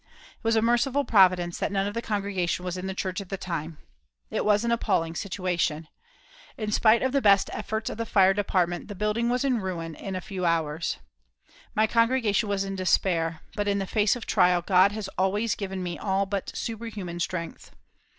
It was a merciful providence that none of the congregation was in the church at the time. It was an appalling situation. In spite of the best efforts of the fire department, the building was in ruins in a few hours. My congregation was in despair, but, in the face of trial, God has always given me all but superhuman strength.